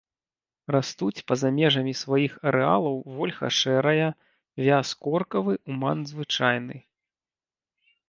Растуць па-за межамі сваіх арэалаў вольха шэрая, вяз коркавы, уман звычайны.